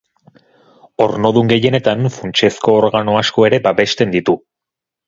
Ornodun gehienetan funtsezko organo asko ere babesten ditu.